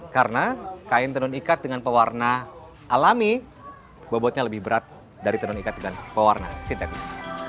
karena kain tenun ikat dengan pewarna alami bobotnya lebih berat dari tenun ikat dengan pewarna sintetis